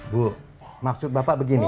bu maksud bapak begini